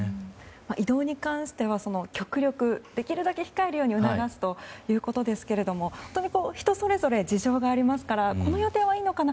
移動に関しては極力、できるだけ控えるように促すということですけれども本当に人それぞれ事情がありますからこの予定はいいのかな？